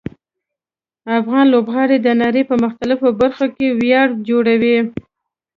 افغان لوبغاړي د نړۍ په مختلفو برخو کې ویاړ جوړوي.